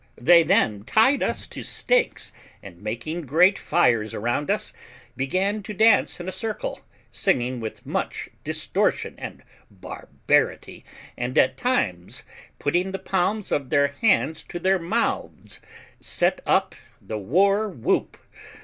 They then tied us to stakes, and making great fires around us, began to dance in a circle, singing with much distortion and barbarity, and at times putting the palms of their hands to their mouths, set up the war whoop.